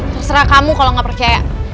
terserah kamu kalau nggak percaya